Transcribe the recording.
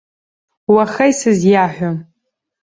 Уаха исызиаҳәом.